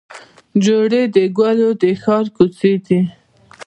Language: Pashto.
جوړې د ګلو د ښار کوڅې دي